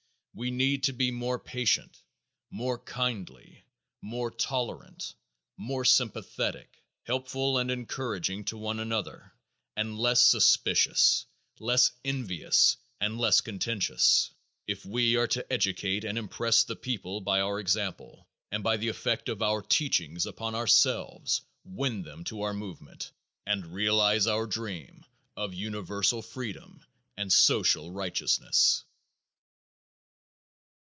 We need to be more patient, more kindly, more tolerant, more sympathetic, helpful and encouraging to one another, and less suspicious, less envious, and less contentious, if we are to educate and impress the people by our example, and by the effect of our teachings upon ourselves win them to our movement, and realize our dream of universal freedom and social righteousness.